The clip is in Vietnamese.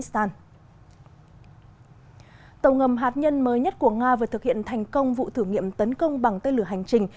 tàu ngầm hạt nhân mới nhất của nga vừa thực hiện thành công vụ thử nghiệm tấn công bằng tên lửa hành trình